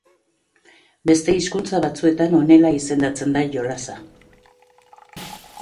Beste hizkuntza batzuetan honela izendatzen da jolasa.